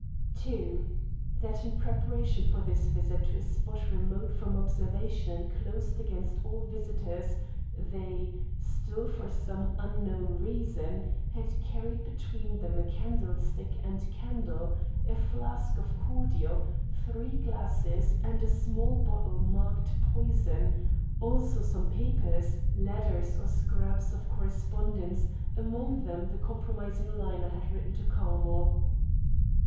2. That in preparation for this visit to a spot remote from observation and closed against all visitors, they, still for some unknown reason, had carried between them a candlestick and candle, a flask of cordial, three glasses, and a small bottle marked "Poison"; also some papers, letters, or scraps of correspondence, among them the compromising line I had written to Carmel.